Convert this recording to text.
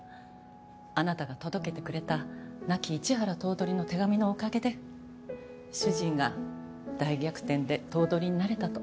あなたが届けてくれた亡き一原頭取の手紙のおかげで主人が大逆転で頭取になれたと。